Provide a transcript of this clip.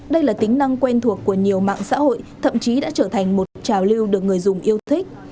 đây là tính năng quen thuộc của nhiều mạng xã hội thậm chí đã trở thành một trào lưu được người dùng yêu thích